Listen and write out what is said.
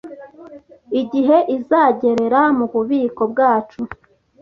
igihe izagerera mu bubiko bwacu